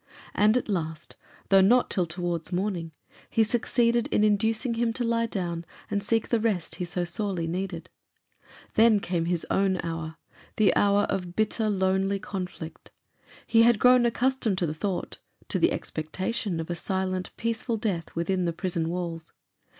And at last, though not till towards morning, he succeeded in inducing him to lie down and seek the rest he so sorely needed. Then came his own hour; the hour of bitter, lonely conflict. He had grown accustomed to the thought, to the expectation, of a silent, peaceful death within the prison walls.